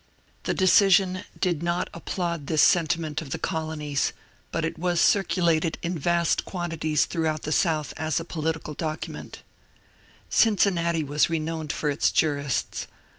The decision did 252 MONCURE DANIEL CONWAY not applaud this sentiment of the colonies, but it was circu lated in yast quantities throughout the South as a political document Cincinnati was renowned for its jurists.